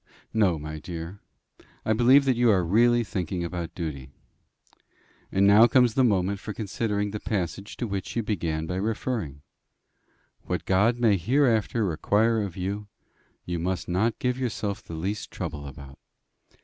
"No, my dear. I believe that you are really thinking about duty. And now comes the moment for considering the passage to which you began by referring: What God may hereafter require of you, you must not give yourself the least trouble about.